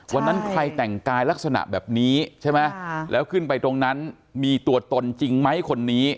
วันนั้นใครแต่งกายลักษณะแบบนี้ใช่ไหมแล้วขึ้นไปตรงนั้นมีตัวตนจริงไหมคนนี้